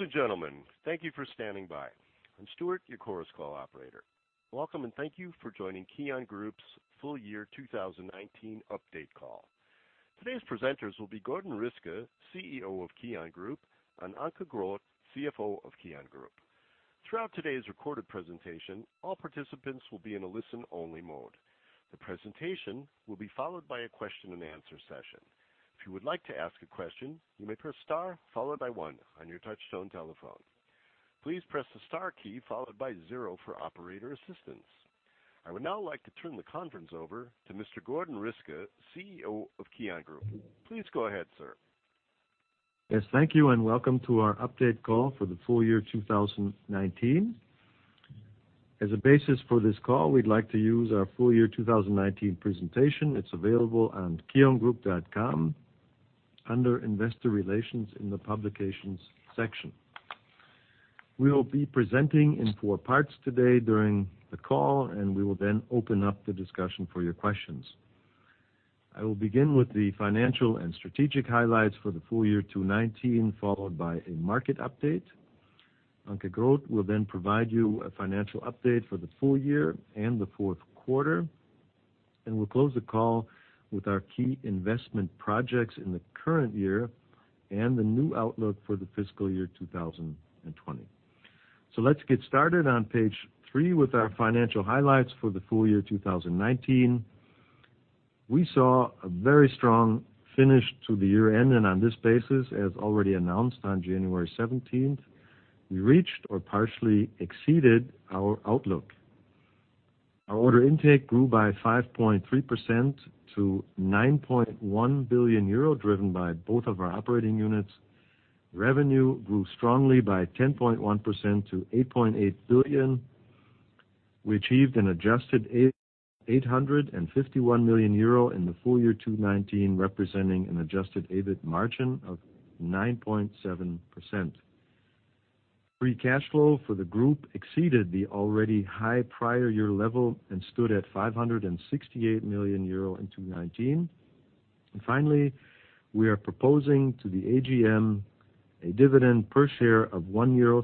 Ladies and gentlemen, thank you for standing by. I'm Stuart, your Chorus Call operator. Welcome and thank you for joining KION Group's full year 2019 update call. Today's presenters will be Gordon Riske, CEO of KION Group, and Anke Groth, CFO of KION Group. Throughout today's recorded presentation, all participants will be in a listen-only mode. The presentation will be followed by a question-and-answer session. If you would like to ask a question, you may press star followed by one on your touch-tone telephone. Please press the star key followed by zero for operator assistance. I would now like to turn the conference over to Mr. Gordon Riske, CEO of KION Group. Please go ahead, sir. Yes, thank you and welcome to our update call for the full year 2019. As a basis for this call, we'd like to use our full year 2019 presentation. It's available on kiongroup.com under Investor Relations in the Publications section. We will be presenting in four parts today during the call, and we will then open up the discussion for your questions. I will begin with the financial and strategic highlights for the full year 2019, followed by a market update. Anke Groth will then provide you a financial update for the full year and the fourth quarter, and we will close the call with our key investment projects in the current year and the new outlook for the fiscal year 2020. Let's get started on page three with our financial highlights for the full year 2019. We saw a very strong finish to the year end, and on this basis, as already announced on January 17th, we reached or partially exceeded our outlook. Our order intake grew by 5.3% to 9.1 billion euro, driven by both of our operating units. Revenue grew strongly by 10.1% to 8.8 billion. We achieved an adjusted EBIT of 851 million euro in the full year 2019, representing an adjusted EBIT margin of 9.7%. Free cash flow for the group exceeded the already high prior year level and stood at 568 million euro in 2019. Finally, we are proposing to the AGM a dividend per share of 1.30 euro.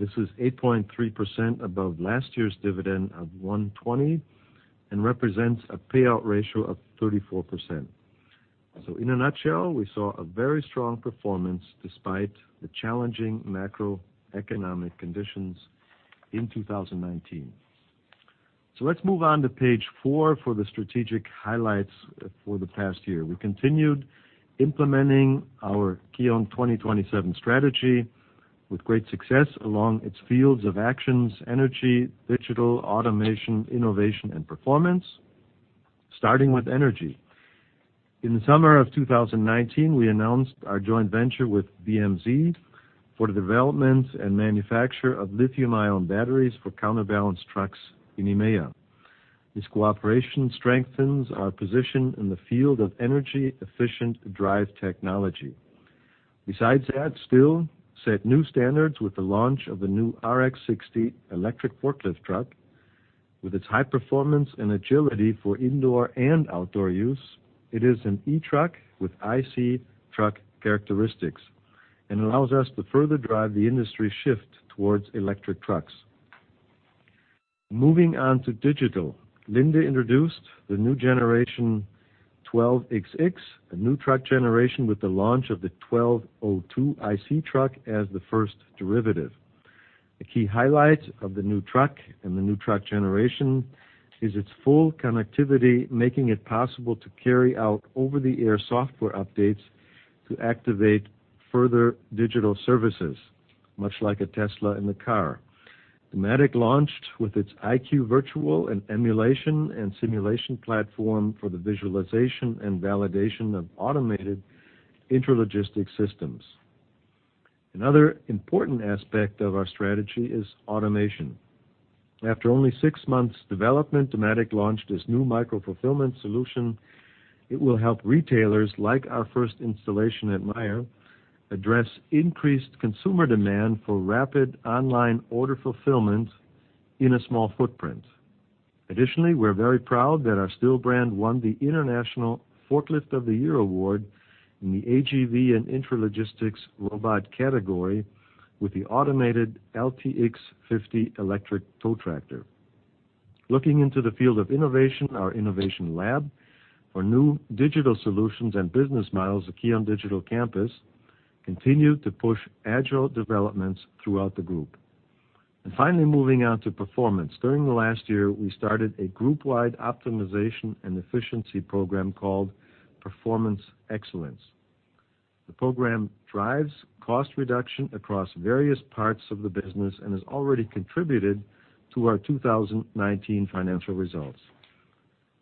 This is 8.3% above last year's dividend of 1.20 and represents a payout ratio of 34%. In a nutshell, we saw a very strong performance despite the challenging macroeconomic conditions in 2019. Let's move on to page four for the strategic highlights for the past year. We continued implementing our KION 2027 strategy with great success along its fields of actions, energy, digital, automation, innovation, and performance, starting with energy. In the summer of 2019, we announced our joint venture with BMZ for the development and manufacture of lithium-ion batteries for counterbalance trucks in EMEA. This cooperation strengthens our position in the field of energy-efficient drive technology. Besides that, STILL set new standards with the launch of the new RX60 electric forklift truck. With its high performance and agility for indoor and outdoor use, it is an e-truck with IC truck characteristics and allows us to further drive the industry shift towards electric trucks. Moving on to digital, Linde introduced the new generation 12XX, a new truck generation with the launch of the 1202 IC Truck as the first derivative. A key highlight of the new truck and the new truck generation is its full connectivity, making it possible to carry out over-the-air software updates to activate further digital services, much like a Tesla in the car. Dematic launched with its IQ Virtual and emulation and simulation platform for the visualization and validation of automated interlogistic systems. Another important aspect of our strategy is automation. After only six months' development, Dematic launched this new micro-fulfillment solution. It will help retailers, like our first installation at Maier, address increased consumer demand for rapid online order fulfillment in a small footprint. Additionally, we're very proud that our STILL brand won the International Forklift of the Year award in the AGV and intralogistics robot category with the automated LTX 50 electric tow tractor. Looking into the field of innovation, our innovation lab for new digital solutions and business models, the KION Digital Campus, continues to push agile developments throughout the group. Finally, moving on to performance, during the last year, we started a group-wide optimization and efficiency program called Performance Excellence. The program drives cost reduction across various parts of the business and has already contributed to our 2019 financial results.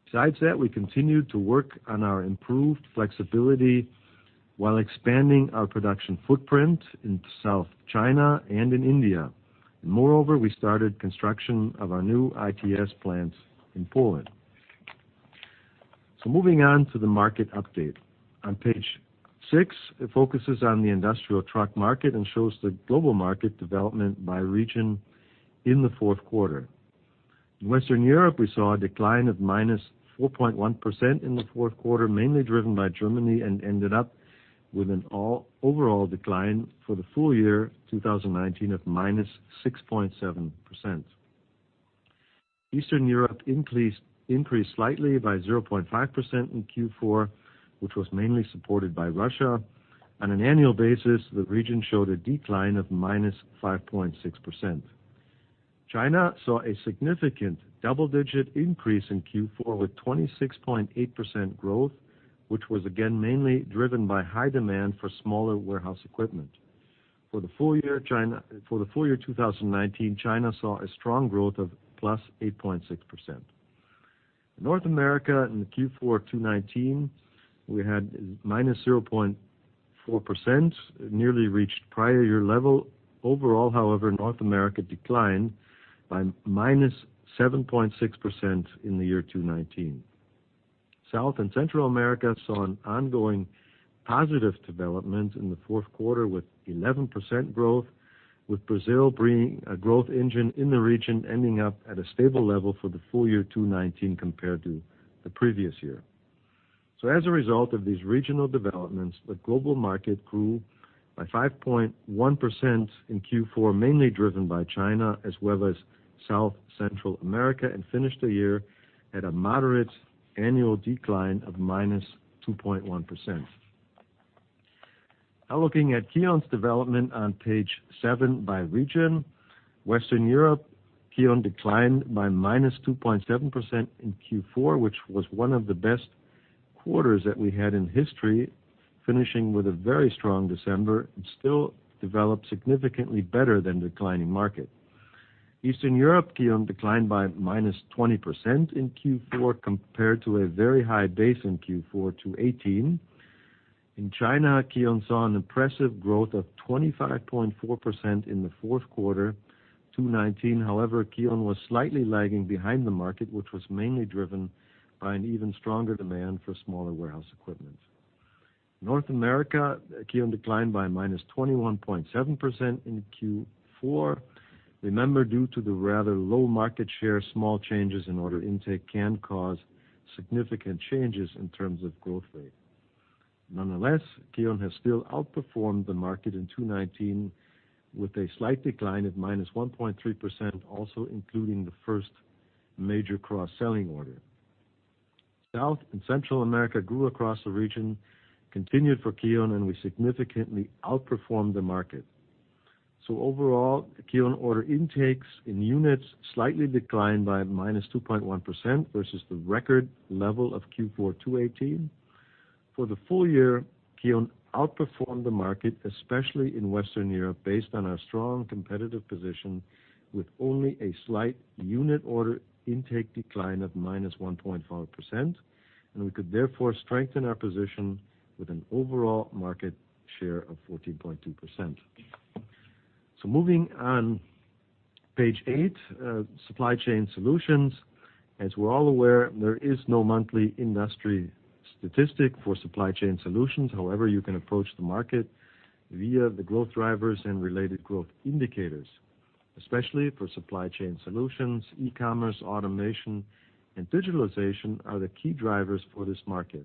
Besides that, we continue to work on our improved flexibility while expanding our production footprint in South China and in India. Moreover, we started construction of our new ITS plant in Poland. Moving on to the market update. On page six, it focuses on the industrial truck market and shows the global market development by region in the fourth quarter. In Western Europe, we saw a decline of -4.1% in the fourth quarter, mainly driven by Germany, and ended up with an overall decline for the full year 2019 of -6.7%. Eastern Europe increased slightly by 0.5% in Q4, which was mainly supported by Russia. On an annual basis, the region showed a decline of -5.6%. China saw a significant double-digit increase in Q4 with 26.8% growth, which was again mainly driven by high demand for smaller warehouse equipment. For the full year 2019, China saw a strong growth of +8.6%. In North America in Q4 2019, we had -0.4%, nearly reached prior year level. Overall, however, North America declined by -7.6% in the year 2019. South and Central America saw an ongoing positive development in the fourth quarter with 11% growth, with Brazil being a growth engine in the region, ending up at a stable level for the full year 2019 compared to the previous year. As a result of these regional developments, the global market grew by 5.1% in Q4, mainly driven by China as well as South and Central America, and finished the year at a moderate annual decline of -2.1%. Now looking at KION's development on page seven by region, Western Europe, KION declined by -2.7% in Q4, which was one of the best quarters that we had in history, finishing with a very strong December and still developed significantly better than declining market. Eastern Europe, KION declined by -20% in Q4 compared to a very high base in Q4 2018. In China, KION saw an impressive growth of 25.4% in the fourth quarter 2019. However, KION was slightly lagging behind the market, which was mainly driven by an even stronger demand for smaller warehouse equipment. In North America, KION declined by -21.7% in Q4. Remember, due to the rather low market share, small changes in order intake can cause significant changes in terms of growth rate. Nonetheless, KION has still outperformed the market in 2019 with a slight decline of -1.3%, also including the first major cross-selling order. South and Central America grew across the region, continued for KION, and we significantly outperformed the market. Overall, KION order intakes in units slightly declined by -2.1% versus the record level of Q4 2018. For the full year, KION outperformed the market, especially in Western Europe, based on our strong competitive position with only a slight unit order intake decline of -1.5%. We could therefore strengthen our position with an overall market share of 14.2%. Moving on, page eight, supply chain solutions. As we're all aware, there is no monthly industry statistic for supply chain solutions. However, you can approach the market via the growth drivers and related growth indicators, especially for supply chain solutions. E-commerce, automation, and digitalization are the key drivers for this market.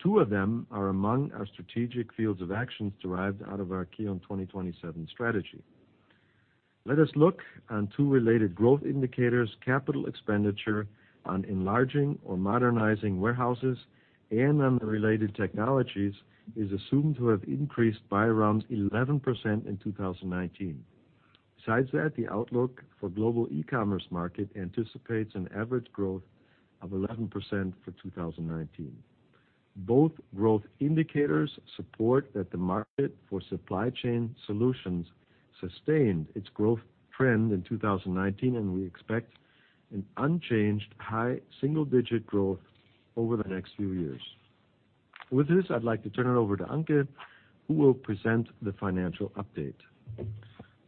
Two of them are among our strategic fields of actions derived out of our KION 2027 strategy. Let us look on two related growth indicators. Capital expenditure on enlarging or modernizing warehouses and on the related technologies is assumed to have increased by around 11% in 2019. Besides that, the outlook for the global e-commerce market anticipates an average growth of 11% for 2019. Both growth indicators support that the market for supply chain solutions sustained its growth trend in 2019, and we expect an unchanged high single-digit growth over the next few years. With this, I'd like to turn it over to Anke, who will present the financial update.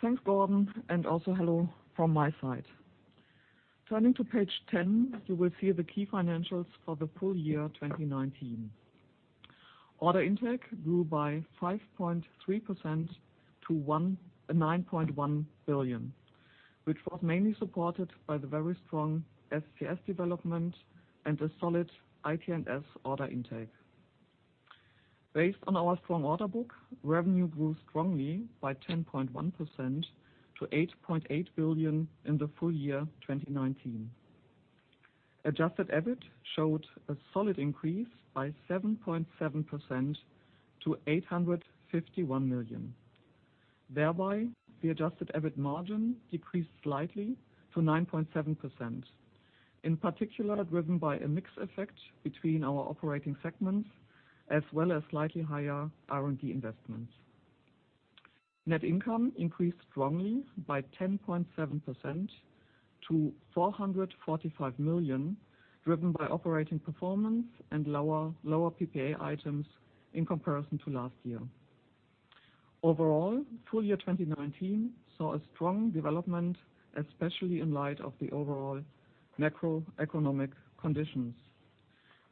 Thanks, Gordon, and also hello from my side. Turning to page 10, you will see the key financials for the full year 2019. Order intake grew by 5.3% to 9.1 billion, which was mainly supported by the very strong SCS development and a solid IT&S order intake. Based on our strong order book, revenue grew strongly by 10.1% to 8.8 billion in the full year 2019. Adjusted EBIT showed a solid increase by 7.7% to 851 million. Thereby, the adjusted EBIT margin decreased slightly to 9.7%, in particular driven by a mixed effect between our operating segments as well as slightly higher R&D investments. Net income increased strongly by 10.7% to 445 million, driven by operating performance and lower PPA items in comparison to last year. Overall, full year 2019 saw a strong development, especially in light of the overall macroeconomic conditions.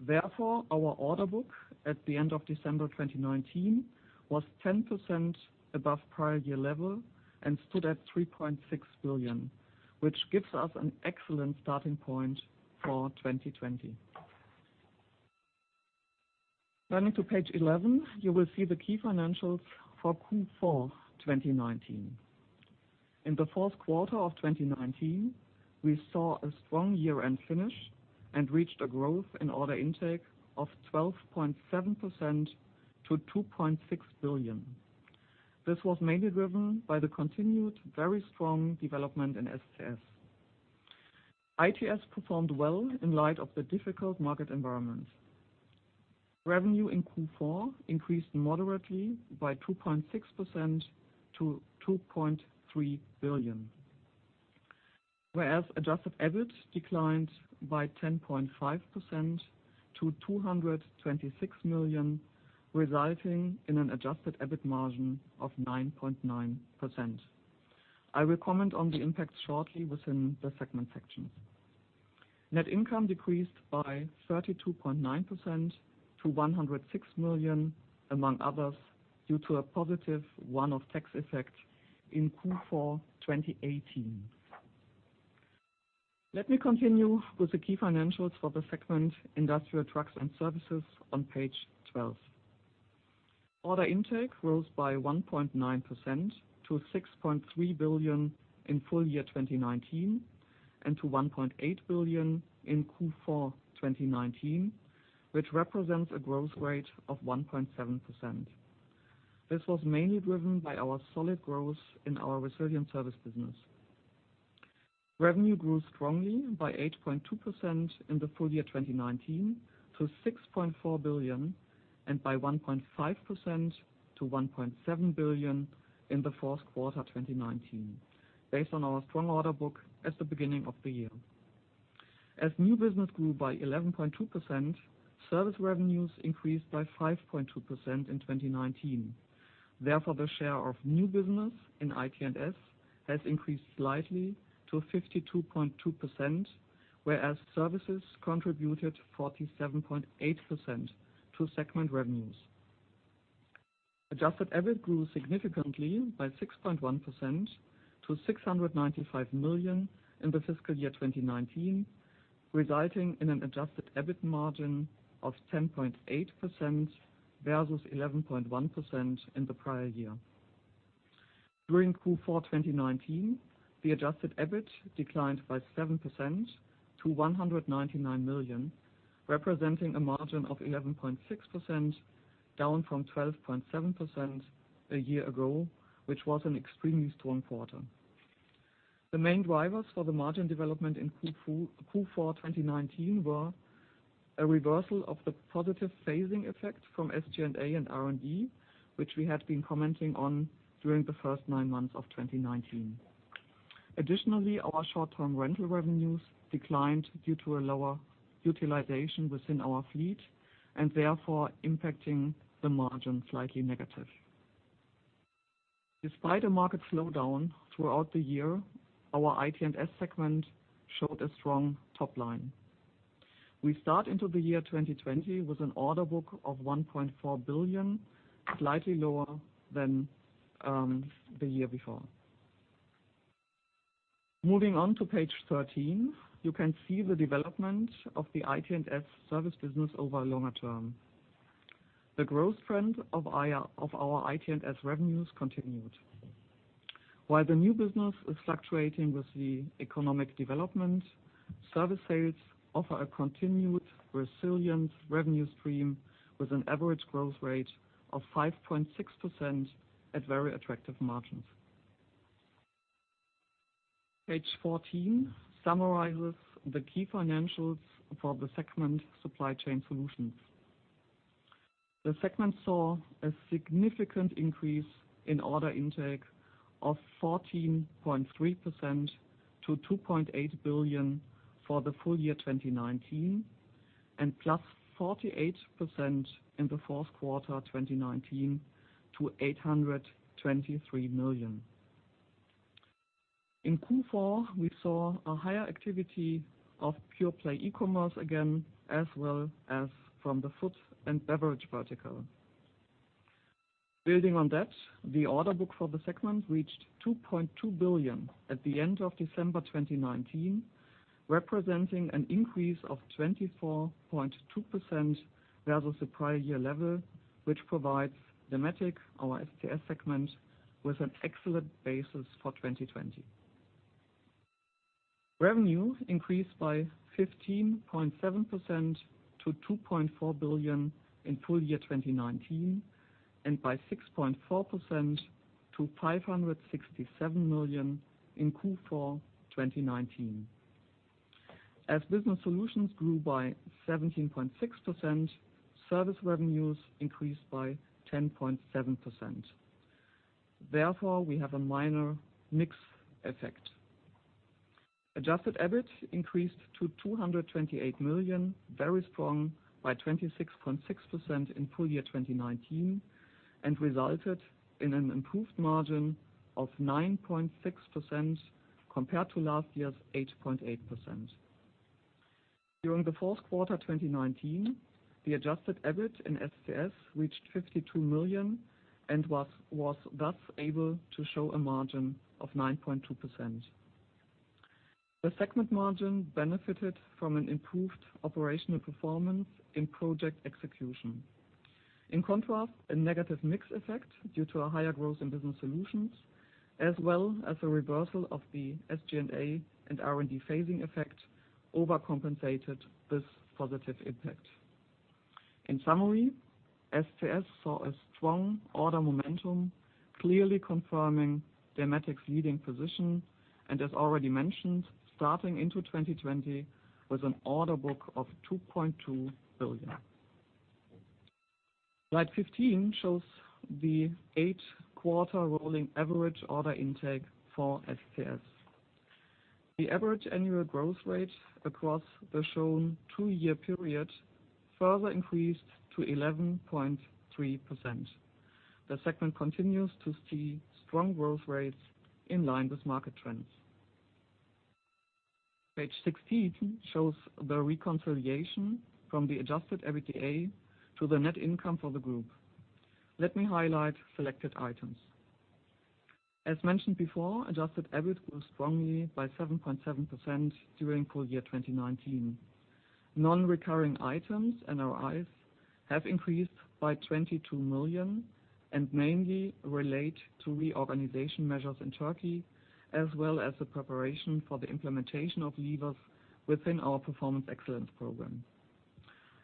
Therefore, our order book at the end of December 2019 was 10% above prior year level and stood at 3.6 billion, which gives us an excellent starting point for 2020. Turning to page 11, you will see the key financials for Q4 2019. In the fourth quarter of 2019, we saw a strong year-end finish and reached a growth in order intake of 12.7% to 2.6 billion. This was mainly driven by the continued very strong development in SCS. ITS performed well in light of the difficult market environment. Revenue in Q4 increased moderately by 2.6% to 2.3 billion, whereas adjusted EBIT declined by 10.5% to 226 million, resulting in an adjusted EBIT margin of 9.9%. I will comment on the impact shortly within the segment sections. Net income decreased by 32.9% to 106 million, among others, due to a positive one-off tax effect in Q4 2018. Let me continue with the key financials for the segment Industrial Trucks and Services on page 12. Order intake rose by 1.9% to 6.3 billion in full year 2019 and to 1.8 billion in Q4 2019, which represents a growth rate of 1.7%. This was mainly driven by our solid growth in our resilient service business. Revenue grew strongly by 8.2% in the full year 2019 to 6.4 billion and by 1.5% to 1.7 billion in the fourth quarter 2019, based on our strong order book at the beginning of the year. As new business grew by 11.2%, service revenues increased by 5.2% in 2019. Therefore, the share of new business in IT&S has increased slightly to 52.2%, whereas services contributed 47.8% to segment revenues. Adjusted EBIT grew significantly by 6.1% to 695 million in the fiscal year 2019, resulting in an adjusted EBIT margin of 10.8% versus 11.1% in the prior year. During Q4 2019, the adjusted EBIT declined by 7% to 199 million, representing a margin of 11.6%, down from 12.7% a year ago, which was an extremely strong quarter. The main drivers for the margin development in Q4 2019 were a reversal of the positive phasing effect from SG&A and R&D, which we had been commenting on during the first nine months of 2019. Additionally, our short-term rental revenues declined due to a lower utilization within our fleet and therefore impacting the margin slightly negative. Despite a market slowdown throughout the year, our IT&S segment showed a strong top line. We start into the year 2020 with an order book of 1.4 billion, slightly lower than the year before. Moving on to page 13, you can see the development of the IT&S service business over a longer term. The growth trend of our IT&S revenues continued. While the new business is fluctuating with the economic development, service sales offer a continued resilient revenue stream with an average growth rate of 5.6% at very attractive margins. Page 14 summarizes the key financials for the segment supply chain solutions. The segment saw a significant increase in order intake of 14.3% to 2.8 billion for the full year 2019 and plus 48% in the fourth quarter 2019 to 823 million. In Q4, we saw a higher activity of pure-play e-commerce again, as well as from the food and beverage vertical. Building on that, the order book for the segment reached 2.2 billion at the end of December 2019, representing an increase of 24.2% versus the prior year level, which provides Dematic, our SCS segment, with an excellent basis for 2020. Revenue increased by 15.7% to 2.4 billion in full year 2019 and by 6.4% to 567 million in Q4 2019. As business solutions grew by 17.6%, service revenues increased by 10.7%. Therefore, we have a minor mixed effect. Adjusted EBIT increased to 228 million, very strong by 26.6% in full year 2019, and resulted in an improved margin of 9.6% compared to last year's 8.8%. During the fourth quarter 2019, the adjusted EBIT in SCS reached 52 million and was thus able to show a margin of 9.2%. The segment margin benefited from an improved operational performance in project execution. In contrast, a negative mixed effect due to a higher growth in business solutions, as well as a reversal of the SG&A and R&D phasing effect, overcompensated this positive impact. In summary, SCS saw a strong order momentum, clearly confirming Dematic's leading position, and as already mentioned, starting into 2020 with an order book of 2.2 billion. Slide 15 shows the eight-quarter rolling average order intake for SCS. The average annual growth rate across the shown two-year period further increased to 11.3%. The segment continues to see strong growth rates in line with market trends. Page 16 shows the reconciliation from the adjusted EBITDA to the net income for the group. Let me highlight selected items. As mentioned before, adjusted EBIT grew strongly by 7.7% during full year 2019. Non-recurring items, NRIs, have increased by 22 million and mainly relate to reorganization measures in Turkey, as well as the preparation for the implementation of levers within our performance excellence program.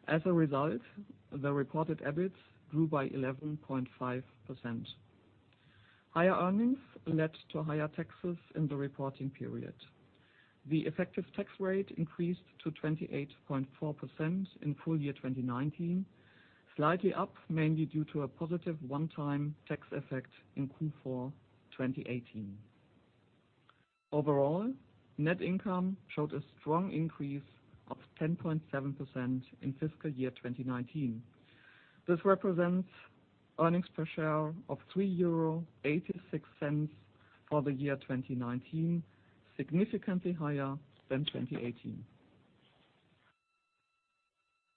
As a result, the reported EBIT grew by 11.5%. Higher earnings led to higher taxes in the reporting period. The effective tax rate increased to 28.4% in full year 2019, slightly up mainly due to a positive one-time tax effect in Q4 2018. Overall, net income showed a strong increase of 10.7% in fiscal year 2019. This represents earnings per share of 3.86 euro for the year 2019, significantly higher than 2018.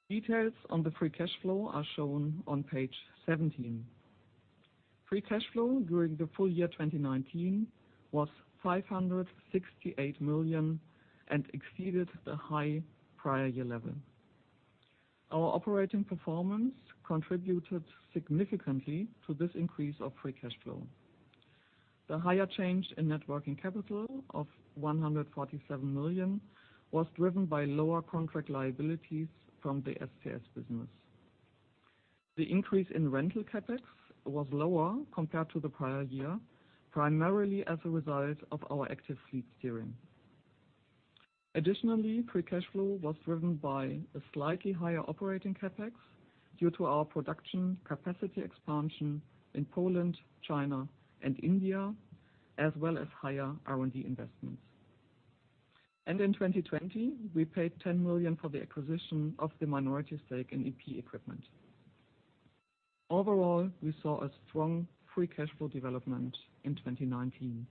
Details on the free cash flow are shown on page 17. Free cash flow during the full year 2019 was 568 million and exceeded the high prior year level. Our operating performance contributed significantly to this increase of free cash flow. The higher change in net working capital of 147 million was driven by lower contract liabilities from the SCS business. The increase in rental CapEx was lower compared to the prior year, primarily as a result of our active fleet steering. Additionally, free cash flow was driven by a slightly higher operating CapEx due to our production capacity expansion in Poland, China, and India, as well as higher R&D investments. In 2020, we paid 10 million for the acquisition of the minority stake in EP Equipment. Overall, we saw a strong free cash flow development in 2019.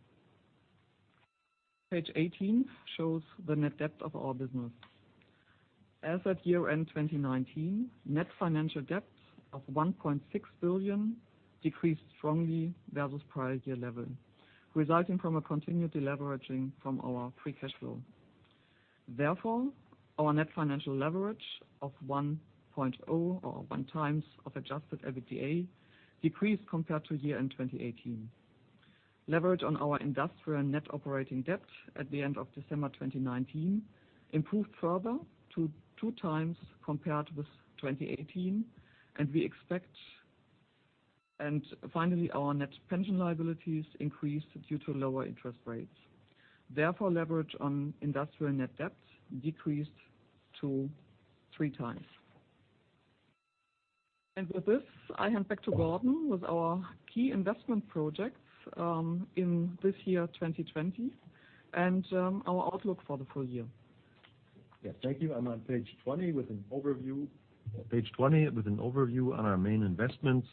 Page 18 shows the net debt of our business. As at year-end 2019, net financial debt of 1.6 billion decreased strongly versus prior year level, resulting from a continued deleveraging from our free cash flow. Therefore, our net financial leverage of 1.0 or one times of adjusted EBITDA decreased compared to year-end 2018. Leverage on our industrial net operating debt at the end of December 2019 improved further to two times compared with 2018, and we expect. Finally, our net pension liabilities increased due to lower interest rates. Therefore, leverage on industrial net debt decreased to three times. With this, I hand back to Gordon with our key investment projects in this year 2020 and our outlook for the full year. Yes, thank you. I'm on page 20 with an overview. Page 20 with an overview on our main investments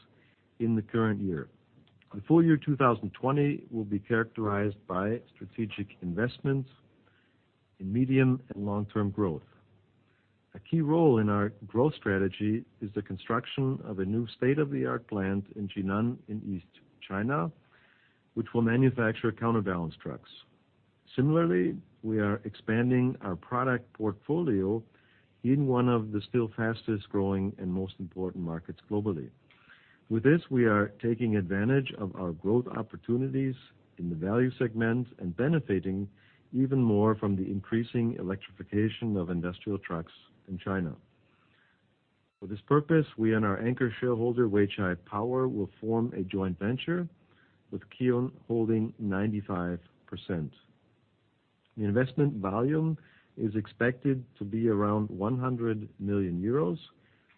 in the current year. The full year 2020 will be characterized by strategic investments in medium and long-term growth. A key role in our growth strategy is the construction of a new state-of-the-art plant in Jinan in East China, which will manufacture counterbalance trucks. Similarly, we are expanding our product portfolio in one of the still fastest-growing and most important markets globally. With this, we are taking advantage of our growth opportunities in the value segment and benefiting even more from the increasing electrification of industrial trucks in China. For this purpose, we and our anchor shareholder, Weichai Power, will form a joint venture with KION holding 95%. The investment volume is expected to be around 100 million euros,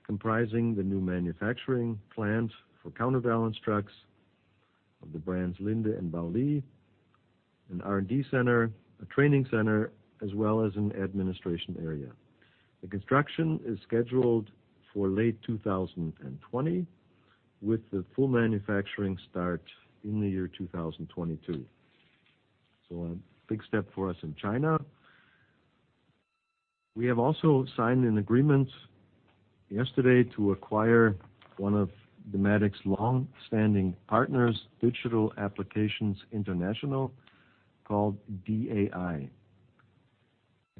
comprising the new manufacturing plant for counterbalance trucks of the brands Linde and Baoli, an R&D center, a training center, as well as an administration area. The construction is scheduled for late 2020, with the full manufacturing start in the year 2022. A big step for us in China. We have also signed an agreement yesterday to acquire one of Dematic's longstanding partners, Digital Applications International, called DAI.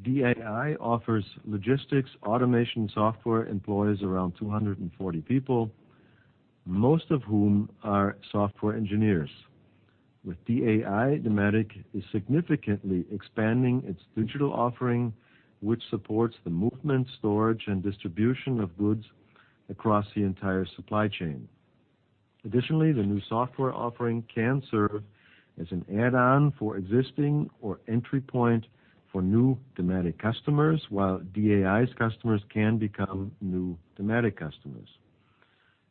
DAI offers logistics automation software employees, around 240 people, most of whom are software engineers. With DAI, Dematic is significantly expanding its digital offering, which supports the movement, storage, and distribution of goods across the entire supply chain. Additionally, the new software offering can serve as an add-on for existing or entry point for new Dematic customers, while DAI's customers can become new Dematic customers.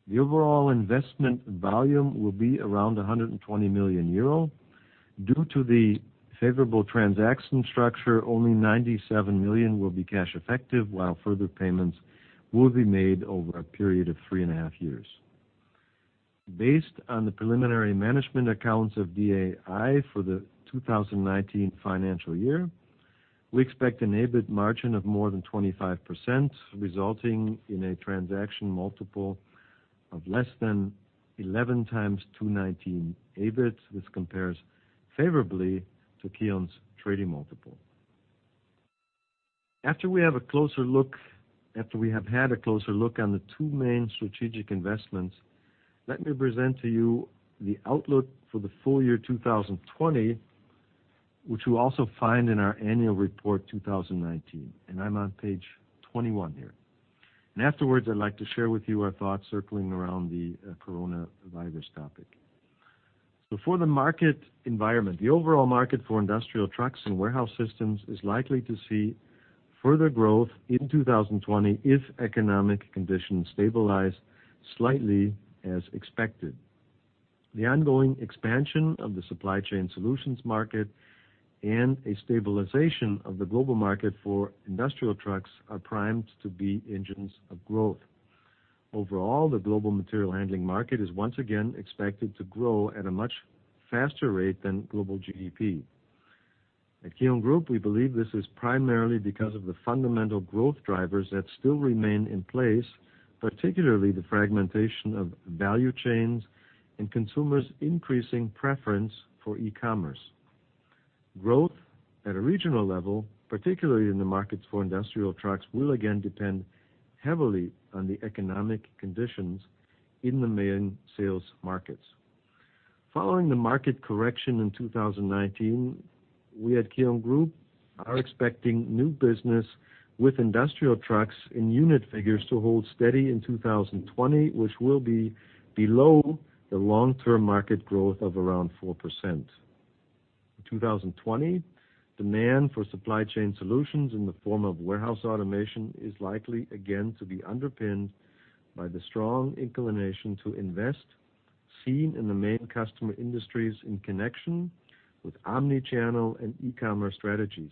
The overall investment volume will be around 120 million euro. Due to the favorable transaction structure, only 97 million will be cash-effective, while further payments will be made over a period of three and a half years. Based on the preliminary management accounts of DAI for the 2019 financial year, we expect an EBIT margin of more than 25%, resulting in a transaction multiple of less than 11 times 2019 EBIT. This compares favorably to KION's trading multiple. After we have had a closer look on the two main strategic investments, let me present to you the outlook for the full year 2020, which you also find in our annual report 2019. I am on page 21 here. Afterwards, I'd like to share with you our thoughts circling around the coronavirus topic. For the market environment, the overall market for industrial trucks and warehouse systems is likely to see further growth in 2020 if economic conditions stabilize slightly, as expected. The ongoing expansion of the supply chain solutions market and a stabilization of the global market for industrial trucks are primed to be engines of growth. Overall, the global material handling market is once again expected to grow at a much faster rate than global GDP. At KION Group, we believe this is primarily because of the fundamental growth drivers that still remain in place, particularly the fragmentation of value chains and consumers' increasing preference for e-commerce. Growth at a regional level, particularly in the markets for industrial trucks, will again depend heavily on the economic conditions in the main sales markets. Following the market correction in 2019, we at KION Group are expecting new business with industrial trucks in unit figures to hold steady in 2020, which will be below the long-term market growth of around 4%. In 2020, demand for supply chain solutions in the form of warehouse automation is likely again to be underpinned by the strong inclination to invest seen in the main customer industries in connection with omnichannel and e-commerce strategies.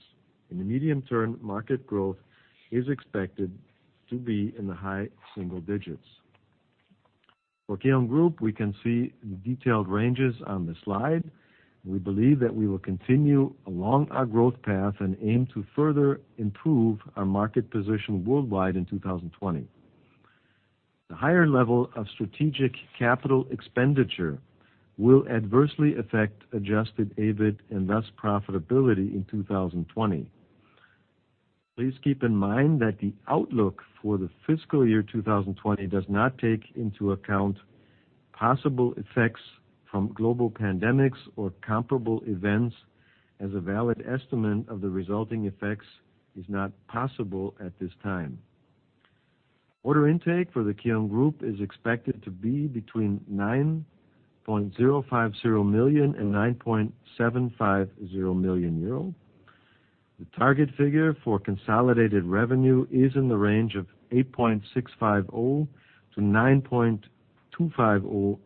In the medium term, market growth is expected to be in the high single digits. For KION Group, we can see the detailed ranges on the slide. We believe that we will continue along our growth path and aim to further improve our market position worldwide in 2020. The higher level of strategic capital expenditure will adversely affect adjusted EBIT and thus profitability in 2020. Please keep in mind that the outlook for the fiscal year 2020 does not take into account possible effects from global pandemics or comparable events, as a valid estimate of the resulting effects is not possible at this time. Order intake for the KION Group is expected to be between 9.050 million and 9.750 million euro. The target figure for consolidated revenue is in the range of 8.650-9.250 million.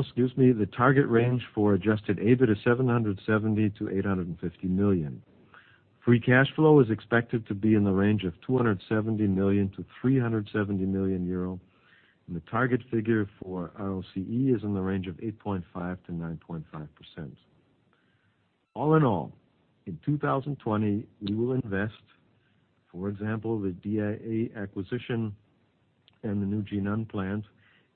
Excuse me, the target range for adjusted EBIT is 770-850 million. Free cash flow is expected to be in the range of 270-370 million euro, and the target figure for ROCE is in the range of 8.5%-9.5%. All in all, in 2020, we will invest, for example, the DAI acquisition and the new Jinan plant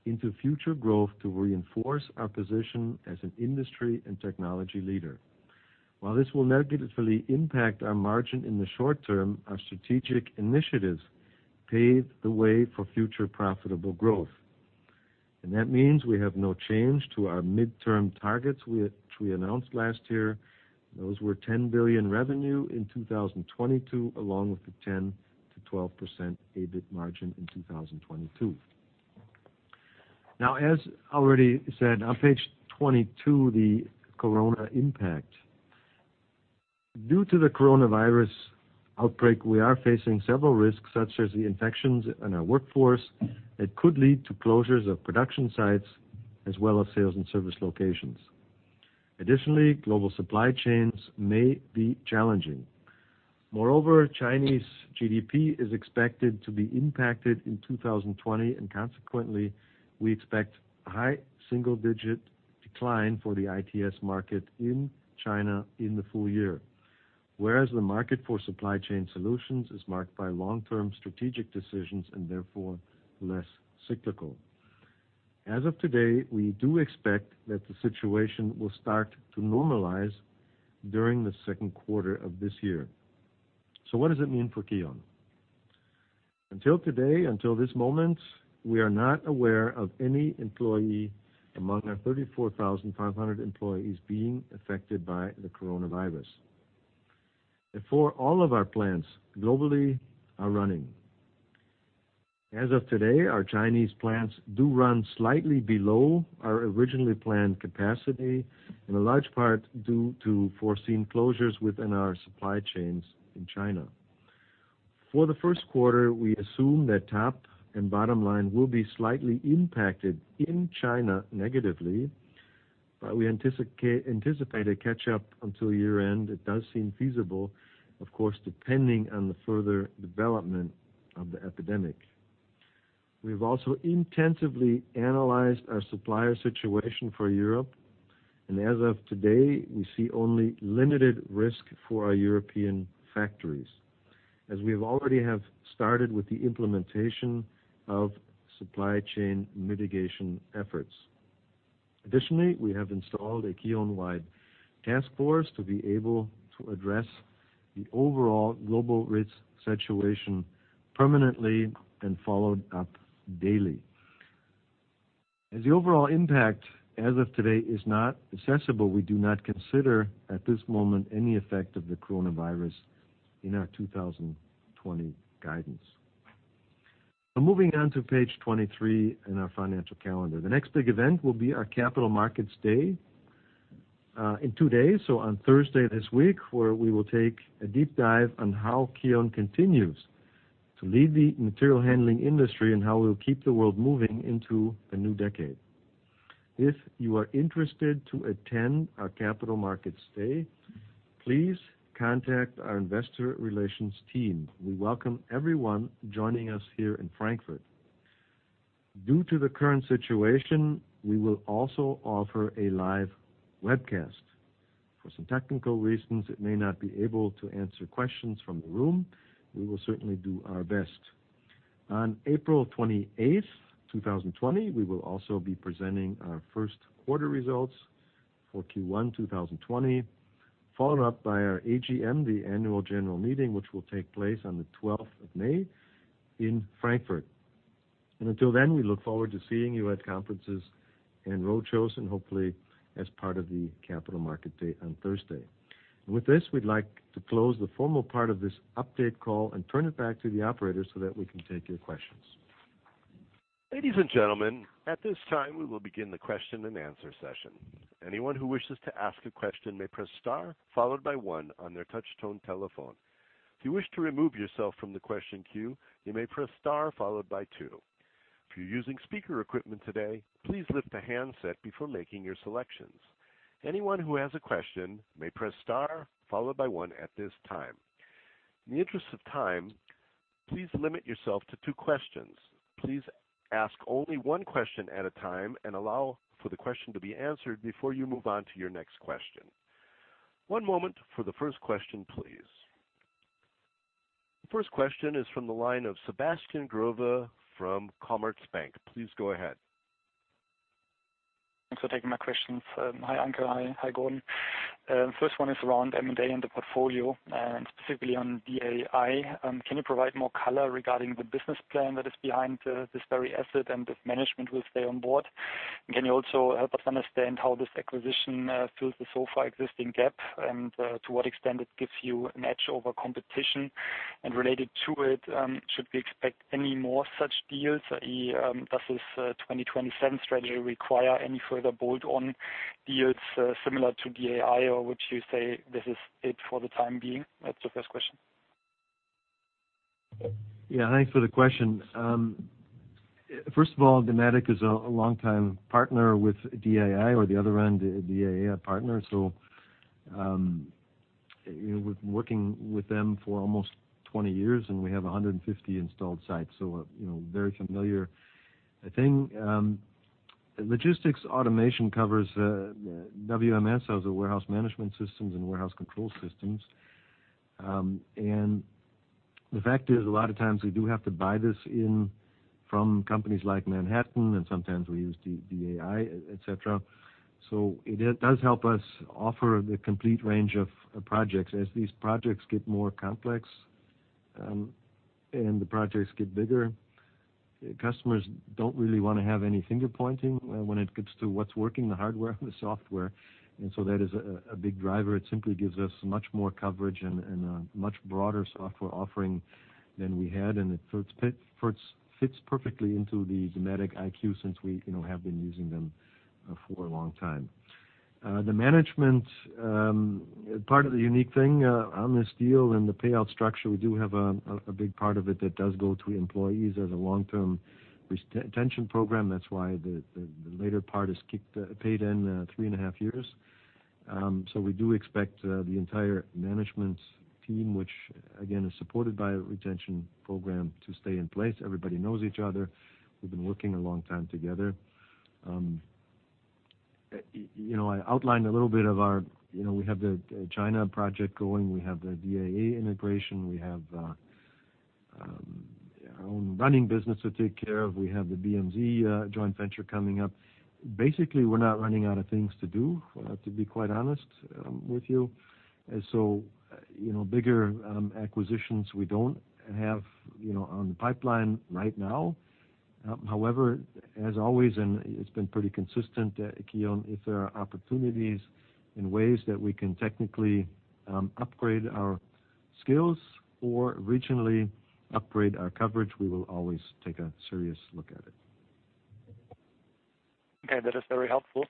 into future growth to reinforce our position as an industry and technology leader. While this will negatively impact our margin in the short term, our strategic initiatives pave the way for future profitable growth. That means we have no change to our midterm targets, which we announced last year. Those were 10 billion revenue in 2022, along with the 10%-12% EBIT margin in 2022. Now, as already said, on page 22, the corona impact. Due to the coronavirus outbreak, we are facing several risks, such as the infections in our workforce that could lead to closures of production sites as well as sales and service locations. Additionally, global supply chains may be challenging. Moreover, Chinese GDP is expected to be impacted in 2020, and consequently, we expect a high single-digit decline for the ITS market in China in the full year, whereas the market for supply chain solutions is marked by long-term strategic decisions and therefore less cyclical. As of today, we do expect that the situation will start to normalize during the second quarter of this year. What does it mean for KION? Until today, until this moment, we are not aware of any employee among our 34,500 employees being affected by the coronavirus. Therefore, all of our plants globally are running. As of today, our Chinese plants do run slightly below our originally planned capacity, in large part due to foreseen closures within our supply chains in China. For the first quarter, we assume that top and bottom line will be slightly impacted in China negatively, but we anticipate a catch-up until year-end. It does seem feasible, of course, depending on the further development of the epidemic. We have also intensively analyzed our supplier situation for Europe, and as of today, we see only limited risk for our European factories, as we have already started with the implementation of supply chain mitigation efforts. Additionally, we have installed a KION-wide task force to be able to address the overall global risk situation permanently and followed up daily. As the overall impact as of today is not assessable, we do not consider at this moment any effect of the coronavirus in our 2020 guidance. Now, moving on to page 23 in our financial calendar, the next big event will be our Capital Markets Day in two days, so on Thursday this week, where we will take a deep dive on how KION continues to lead the material handling industry and how we'll keep the world moving into a new decade. If you are interested to attend our capital markets day, please contact our investor relations team. We welcome everyone joining us here in Frankfurt. Due to the current situation, we will also offer a live webcast. For some technical reasons, it may not be able to answer questions from the room. We will certainly do our best. On April 28th, 2020, we will also be presenting our first quarter results for Q1 2020, followed up by our AGM, the Annual General Meeting, which will take place on the 12th of May in Frankfurt. Until then, we look forward to seeing you at conferences and roadshows and hopefully as part of the capital market day on Thursday. With this, we'd like to close the formal part of this update call and turn it back to the operators so that we can take your questions. Ladies and gentlemen, at this time, we will begin the question and answer session. Anyone who wishes to ask a question may press star, followed by one, on their touch-tone telephone. If you wish to remove yourself from the question queue, you may press star, followed by two. If you're using speaker equipment today, please lift the handset before making your selections. Anyone who has a question may press star, followed by one, at this time. In the interest of time, please limit yourself to two questions. Please ask only one question at a time and allow for the question to be answered before you move on to your next question. One moment for the first question, please. The first question is from the line of Sebastian Growe from Commerzbank. Please go ahead. Thanks for taking my questions. Hi, Anke. Hi, Gordon. First one is around M&A and the portfolio, and specifically on DAI. Can you provide more color regarding the business plan that is behind this very asset and if management will stay on board? Can you also help us understand how this acquisition fills the so far existing gap and to what extent it gives you an edge over competition? Related to it, should we expect any more such deals? Does this 2027 strategy require any further bolt-on deals similar to DAI, or would you say this is it for the time being? That's the first question. Yeah, thanks for the question. First of all, Dematic is a longtime partner with DAI, or the other end, DAI partner. We've been working with them for almost 20 years, and we have 150 installed sites, so very familiar thing. Logistics automation covers WMS, as in warehouse management systems, and warehouse control systems. The fact is, a lot of times we do have to buy this in from companies like Manhattan, and sometimes we use DAI, etc. It does help us offer the complete range of projects. As these projects get more complex and the projects get bigger, customers do not really want to have any finger-pointing when it gets to what is working, the hardware and the software. That is a big driver. It simply gives us much more coverage and a much broader software offering than we had, and it fits perfectly into the Dematic IQ since we have been using them for a long time. The management part of the unique thing on this deal and the payout structure, we do have a big part of it that does go to employees as a long-term retention program. That is why the later part is paid in three and a half years. We do expect the entire management team, which again is supported by a retention program, to stay in place. Everybody knows each other. We've been working a long time together. I outlined a little bit of our, we have the China project going. We have the DAI integration. We have our own running business to take care of. We have the BMZ joint venture coming up. Basically, we're not running out of things to do, to be quite honest with you. Bigger acquisitions we don't have on the pipeline right now. However, as always, and it's been pretty consistent, KION, if there are opportunities and ways that we can technically upgrade our skills or regionally upgrade our coverage, we will always take a serious look at it. Okay, that is very helpful.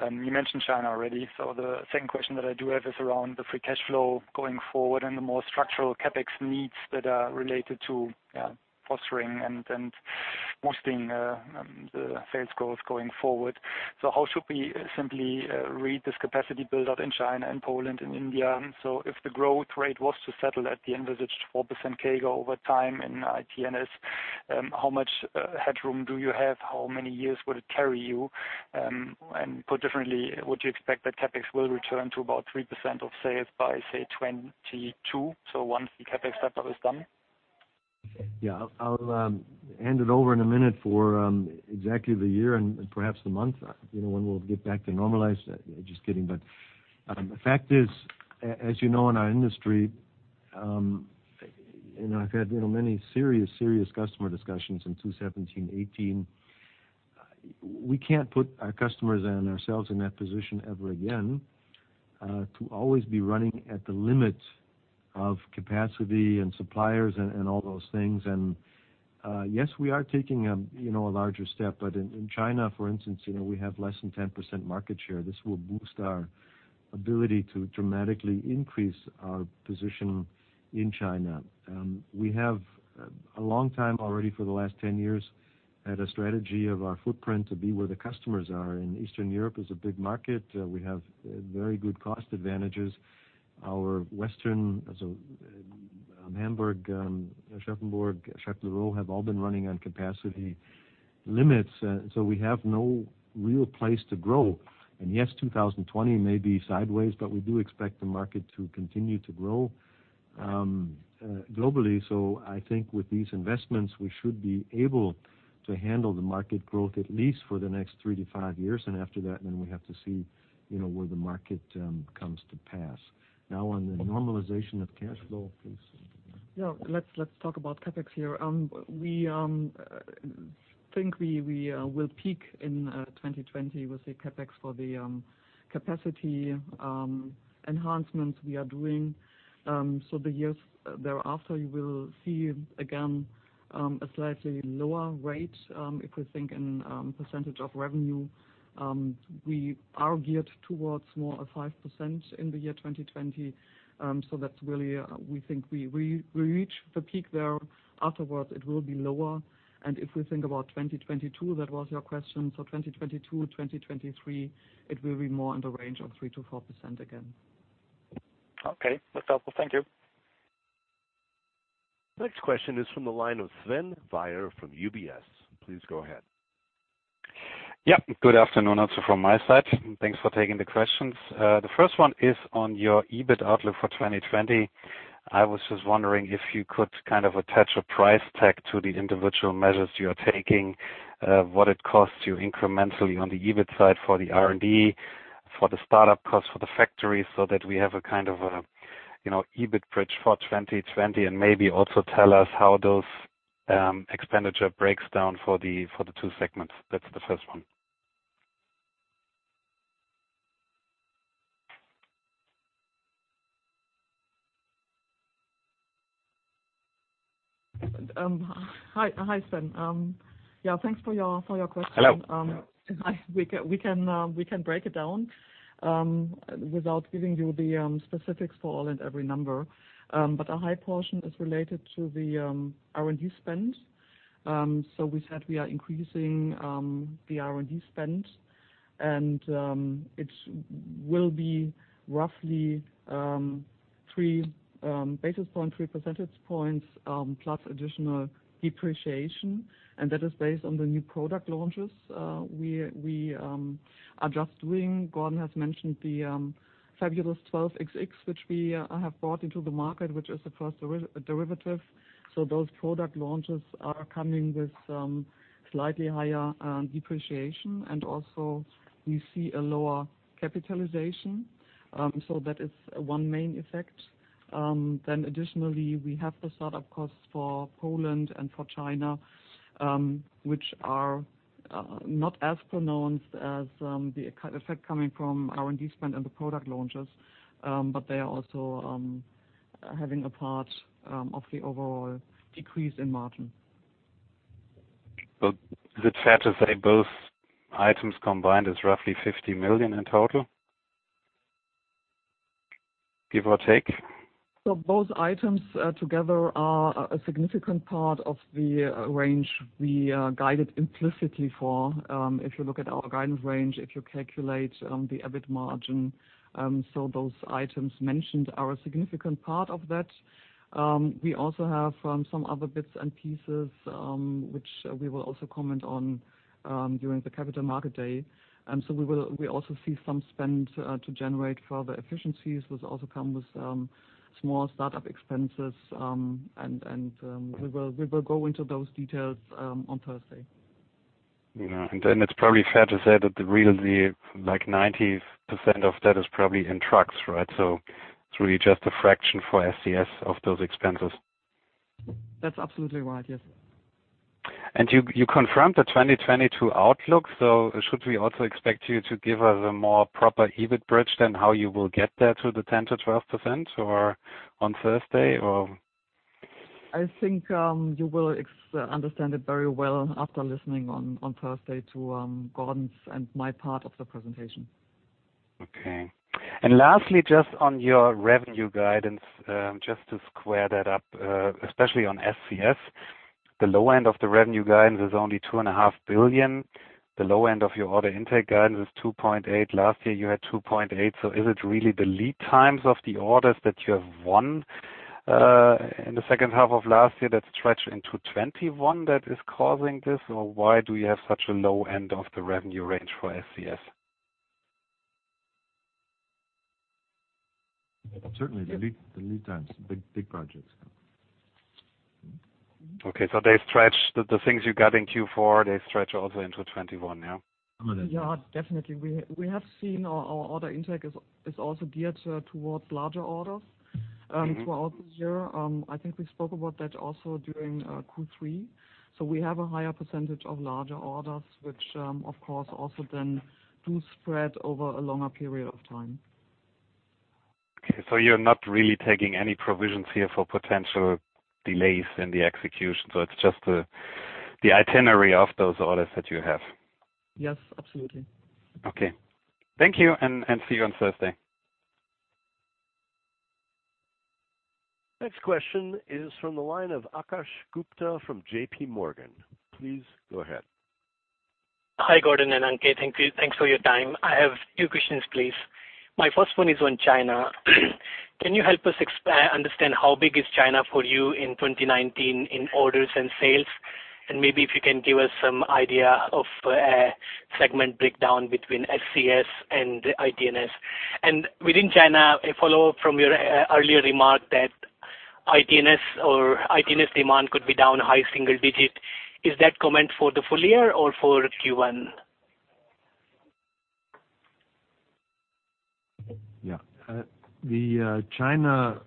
You mentioned China already. The second question that I do have is around the free cash flow going forward and the more structural CapEx needs that are related to fostering and boosting the sales growth going forward. How should we simply read this capacity build-up in China and Poland and India? If the growth rate was to settle at the envisaged 4% CAGR over time in IT&S, how much headroom do you have? How many years would it carry you? Put differently, would you expect that CapEx will return to about 3% of sales by, say, 2022, once the CapEx setup is done? Yeah, I'll hand it over in a minute for exactly the year and perhaps the month when we'll get back to normalize. Just kidding. The fact is, as you know, in our industry, I've had many serious, serious customer discussions in 2017, 2018. We can't put our customers and ourselves in that position ever again to always be running at the limit of capacity and suppliers and all those things. Yes, we are taking a larger step, but in China, for instance, we have less than 10% market share. This will boost our ability to dramatically increase our position in China. We have a long time already for the last 10 years had a strategy of our footprint to be where the customers are. Eastern Europe is a big market. We have very good cost advantages. Our Western, so Hamburg, Aschaffenburg, Chatellerault have all been running on capacity limits, so we have no real place to grow. Yes, 2020 may be sideways, but we do expect the market to continue to grow globally. I think with these investments, we should be able to handle the market growth at least for the next three to five years. After that, we have to see where the market comes to pass. Now, on the normalization of cash flow, please. No, let's talk about CapEx here. We think we will peak in 2020 with the CapEx for the capacity enhancements we are doing. The years thereafter, you will see again a slightly lower rate. If we think in percentage of revenue, we are geared towards more of 5% in the year 2020. That is really where we think we reach the peak. Afterwards, it will be lower. If we think about 2022, that was your question. 2022, 2023, it will be more in the range of 3%-4% again. Okay, that's helpful. Thank you. Next question is from the line of Sven Weier from UBS. Please go ahead. Yep, good afternoon. Also from my side, thanks for taking the questions. The first one is on your EBIT outlook for 2020. I was just wondering if you could kind of attach a price tag to the individual measures you are taking, what it costs you incrementally on the EBIT side for the R&D, for the startup costs for the factories, so that we have a kind of an EBIT bridge for 2020 and maybe also tell us how those expenditure breaks down for the two segments. That's the first one. Hi, Sven. Yeah, thanks for your question. Hello. We can break it down without giving you the specifics for all and every number. But a high portion is related to the R&D spend. We said we are increasing the R&D spend, and it will be roughly three basis points, three percentage points, plus additional depreciation. That is based on the new product launches we are just doing. Gordon has mentioned the fabulous 12XX, which we have brought into the market, which is the first derivative. Those product launches are coming with slightly higher depreciation, and also we see a lower capitalization. That is one main effect. Additionally, we have the startup costs for Poland and for China, which are not as pronounced as the effect coming from R&D spend and the product launches, but they are also having a part of the overall decrease in margin. Is it fair to say both items combined is roughly 50 million in total, give or take? Both items together are a significant part of the range we guided implicitly for. If you look at our guidance range, if you calculate the EBIT margin, those items mentioned are a significant part of that. We also have some other bits and pieces, which we will also comment on during the Capital Markets Day. We also see some spend to generate further efficiencies, which also come with small startup expenses. We will go into those details on Thursday. It is probably fair to say that the real 90% of that is probably in trucks, right? It is really just a fraction for SCS of those expenses. That is absolutely right, yes. You confirmed the 2022 outlook. Should we also expect you to give us a more proper EBIT bridge than how you will get there to the 10%-12% on Thursday? I think you will understand it very well after listening on Thursday to Gordon's and my part of the presentation. Okay. Lastly, just on your revenue guidance, just to square that up, especially on SCS, the low end of the revenue guidance is only 2.5 billion. The low end of your order intake guidance is 2.8 billion. Last year, you had 2.8 billion. Is it really the lead times of the orders that you have won in the second half of last year that stretch into 2021 that is causing this, or why do you have such a low end of the revenue range for SCS? Certainly, the lead times, big projects. Okay, so they stretch the things you got in Q4, they stretch also into 2021 now. Yeah, definitely. We have seen our order intake is also geared towards larger orders throughout the year. I think we spoke about that also during Q3. We have a higher percentage of larger orders, which, of course, also then do spread over a longer period of time. Okay, so you're not really taking any provisions here for potential delays in the execution. It is just the itinerary of those orders that you have. Yes, absolutely. Okay. Thank you, and see you on Thursday. Next question is from the line of Akash Gupta from J.P. Morgan. Please go ahead. Hi, Gordon and Anke. Thank you. Thanks for your time. I have two questions, please. My first one is on China. Can you help us understand how big is China for you in 2019 in orders and sales? Maybe if you can give us some idea of a segment breakdown between SCS and IT&S. Within China, a follow-up from your earlier remark that IT&S or IT&S demand could be down high single digit. Is that comment for the full year or for Q1? Yeah. The China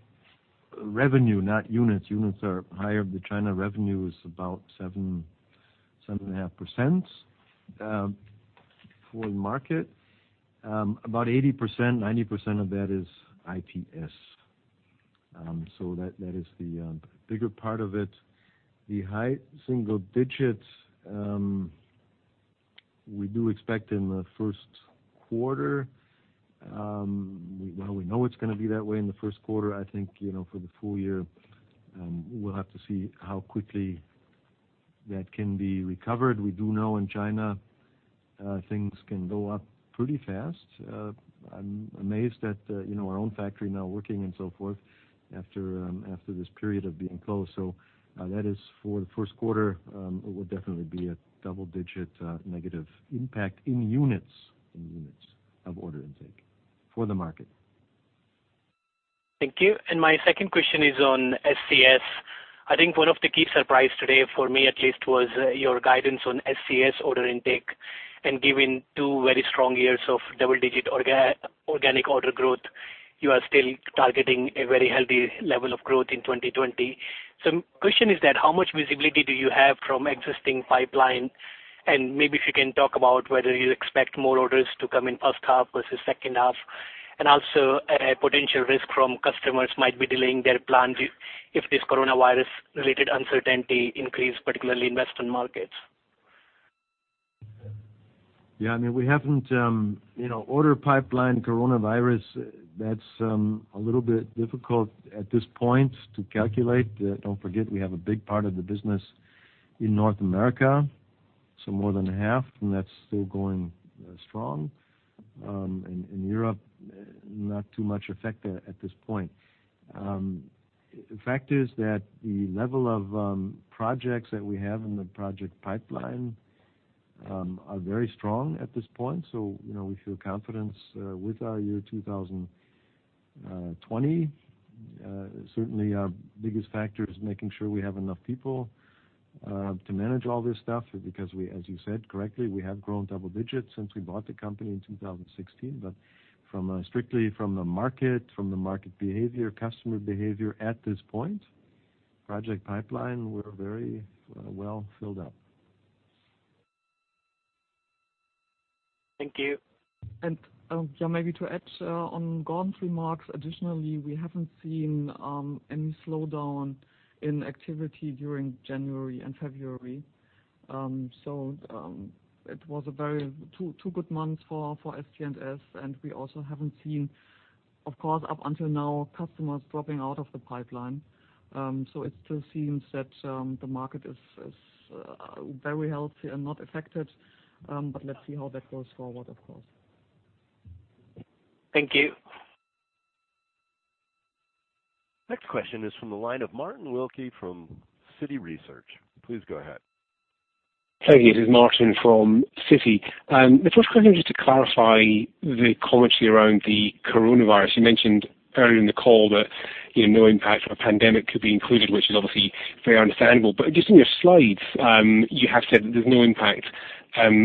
revenue, not units. Units are higher. The China revenue is about 7%-7.5% for the market. About 80%-90% of that is IT&S. That is the bigger part of it. The high single digit, we do expect in the first quarter. We know it's going to be that way in the first quarter. I think for the full year, we'll have to see how quickly that can be recovered. We do know in China, things can go up pretty fast. I'm amazed at our own factory now working and so forth after this period of being closed. That is for the first quarter. It would definitely be a double-digit negative impact in units of order intake for the market. Thank you. My second question is on SCS. I think one of the key surprises today for me, at least, was your guidance on SCS order intake. Given two very strong years of double-digit organic order growth, you are still targeting a very healthy level of growth in 2020. The question is that how much visibility do you have from existing pipeline? Maybe if you can talk about whether you expect more orders to come in first half versus second half. Also, potential risk from customers might be delaying their plan if this coronavirus-related uncertainty increases, particularly investment markets. Yeah, I mean, we haven't order pipeline coronavirus. That's a little bit difficult at this point to calculate. Don't forget, we have a big part of the business in North America, so more than half, and that's still going strong. In Europe, not too much effect at this point. The fact is that the level of projects that we have in the project pipeline are very strong at this point. We feel confidence with our year 2020. Certainly, our biggest factor is making sure we have enough people to manage all this stuff because, as you said correctly, we have grown double digits since we bought the company in 2016. Strictly from the market, from the market behavior, customer behavior at this point, project pipeline, we're very well filled up. Thank you. Maybe to add on Gordon's remarks, additionally, we haven't seen any slowdown in activity during January and February. It was two good months for SCS, and we also haven't seen, of course, up until now, customers dropping out of the pipeline. It still seems that the market is very healthy and not affected. Let's see how that goes forward, of course. Thank you. Next question is from the line of Martin Wilkie from Citi Research. Please go ahead. Hey, this is Martin from Citi. The first question is just to clarify the commentary around the coronavirus. You mentioned earlier in the call that no impact of a pandemic could be included, which is obviously very understandable. Just in your slides, you have said that there's no impact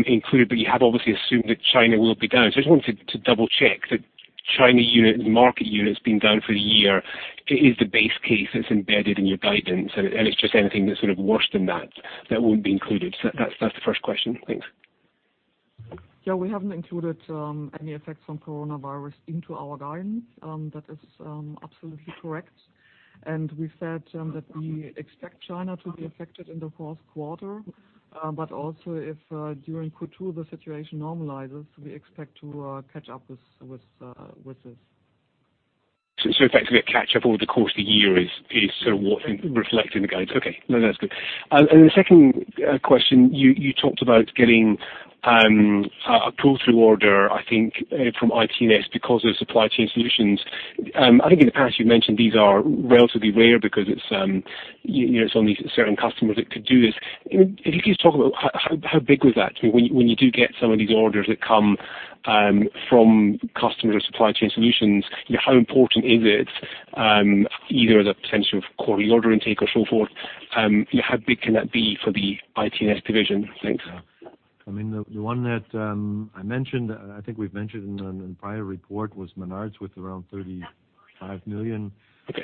included, but you have obviously assumed that China will be down. I just wanted to double-check that China unit and market unit has been down for the year. Is the base case that's embedded in your guidance? It's just anything that's sort of worse than that that won't be included. That's the first question. Thanks. Yeah, we haven't included any effects from coronavirus into our guidance. That is absolutely correct. We said that we expect China to be affected in the fourth quarter, but also if during Q2 the situation normalizes, we expect to catch up with this. Effectively, a catch-up over the course of the year is sort of what's reflected in the guidance. Okay. No, that's good. The second question, you talked about getting a pull-through order, I think, from ITS because of supply chain solutions. I think in the past, you've mentioned these are relatively rare because it's only certain customers that could do this. If you could just talk about how big was that? When you do get some of these orders that come from customers or supply chain solutions, how important is it, either as a potential quarterly order intake or so forth? How big can that be for the ITS division? Thanks. I mean, the one that I mentioned, I think we've mentioned in a prior report, was Menards with around $35 million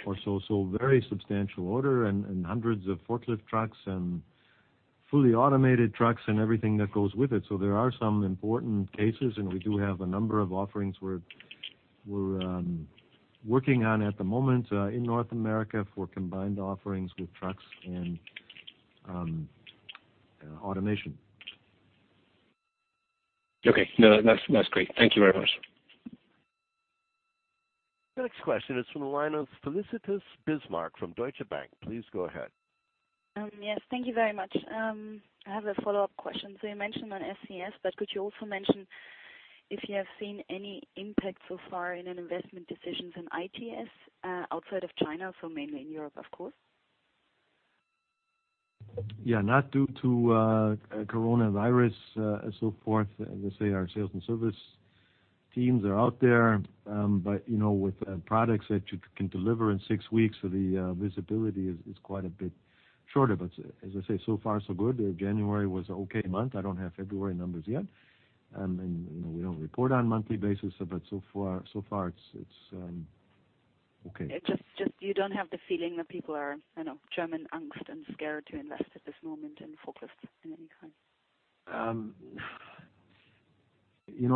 or so. So very substantial order and hundreds of forklift trucks and fully automated trucks and everything that goes with it. There are some important cases, and we do have a number of offerings we're working on at the moment in North America for combined offerings with trucks and automation. Okay. No, that's great. Thank you very much. Next question is from the line of Felicitas Bismarck from Deutsche Bank. Please go ahead. Yes, thank you very much. I have a follow-up question. You mentioned on SCS, but could you also mention if you have seen any impact so far in investment decisions in ITS outside of China, mainly in Europe, of course? Yeah, not due to coronavirus and so forth. As I say, our sales and service teams are out there. With products that you can deliver in six weeks, the visibility is quite a bit shorter. As I say, so far, so good. January was an okay month. I do not have February numbers yet. We do not report on a monthly basis, but so far, it is okay. Just you do not have the feeling that people are, I do not know, German angst and scared to invest at this moment in forklifts of any kind?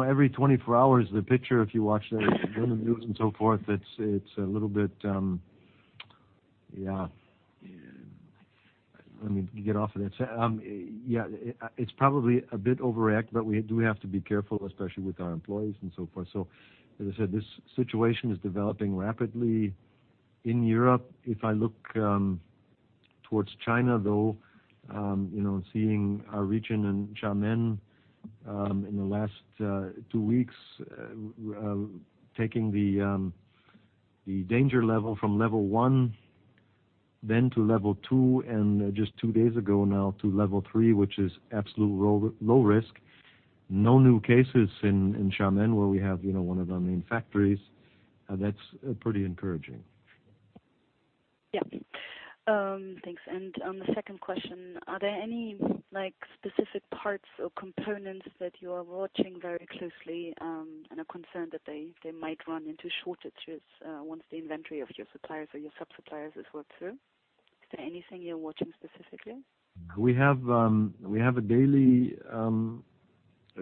Every 24 hours, the picture, if you watch the news and so forth, it is a little bit, yeah. Let me get off of that. Yeah, it is probably a bit overreact, but we do have to be careful, especially with our employees and so forth. As I said, this situation is developing rapidly in Europe. If I look towards China, though, seeing our region and Xiamen in the last two weeks taking the danger level from level one then to level two, and just two days ago now to level three, which is absolute low risk. No new cases in Xiamen, where we have one of our main factories. That is pretty encouraging. Yep. Thanks. On the second question, are there any specific parts or components that you are watching very closely and are concerned that they might run into shortages once the inventory of your suppliers or your subsuppliers is worked through? Is there anything you're watching specifically? We have a daily